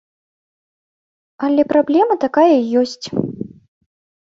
Але праблема такая ёсць.